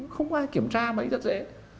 không ai kiểm tra mấy rất dễ